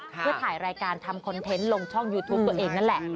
เพื่อถ่ายรายการทำคอนเทนต์ลงช่องยูทูปตัวเองนั่นแหละ